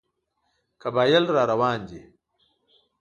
قبایل را روان دي.